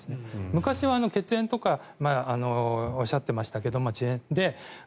昔は血縁とかおっしゃってましたが、地縁。